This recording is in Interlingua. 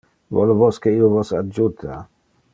Vole vos que io vos adjuta?